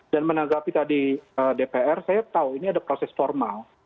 menanggapi tadi dpr saya tahu ini ada proses formal